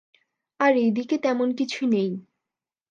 আর এই দিকে তেমন কিছু নেই।